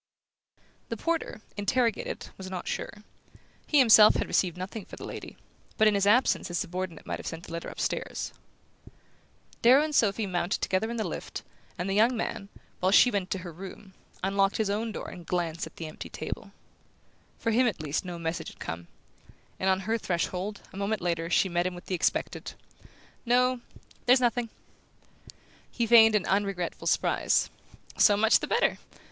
The porter, interrogated, was not sure. He himself had received nothing for the lady, but in his absence his subordinate might have sent a letter upstairs. Darrow and Sophy mounted together in the lift, and the young man, while she went into her room, unlocked his own door and glanced at the empty table. For him at least no message had come; and on her threshold, a moment later, she met him with the expected: "No there's nothing!" He feigned an unregretful surprise. "So much the better!